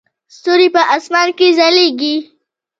ستوري په اسمان کې ځلیږي